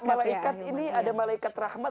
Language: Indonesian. malaikat ini ada malaikat rahmat